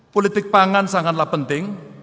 politik pangan sangatlah penting